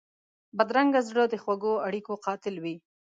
بدرنګه زړه د خوږو اړیکو قاتل وي